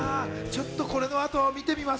この後、見てみます。